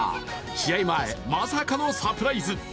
試合前、まさかのサプライズ。